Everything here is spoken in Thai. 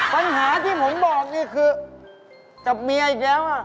ปัญหาที่ผมบอกนี่คือกับเมียอีกแล้ว